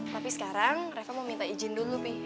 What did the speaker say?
tapi sekarang reva mau minta izin dulu nih